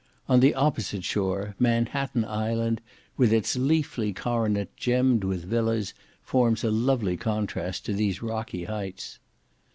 On the opposite shore, Manhatten Island, with its leafy coronet gemmed with villas, forms a lovely contrast to these rocky heights.